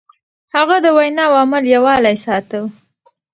هغه د وينا او عمل يووالی ساته.